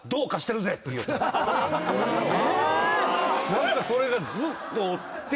何かそれがずっとおって。